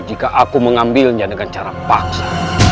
jika aku mengambilnya dengan cara paksa